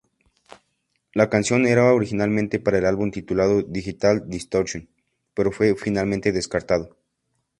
La canción era originalmente para el álbum titulado Digital Distortion, pero fue finalmente descartado.